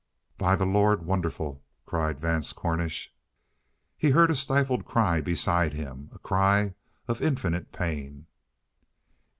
"By the Lord, wonderful!" cried Vance Cornish. He heard a stifled cry beside him, a cry of infinite pain.